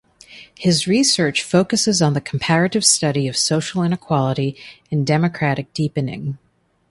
His research focuses on the comparative study of social inequality and democratic deepening.